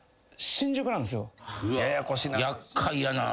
やっかいやなぁ。